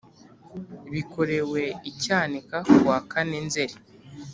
Bikorewe i Cyanika kuwa kane nzeri